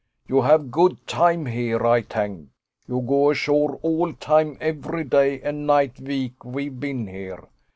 You have good time here, Ay tank. You go ashore all time, every day and night veek ve've been here.